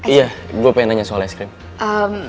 iya gue pengen nanya soal es krim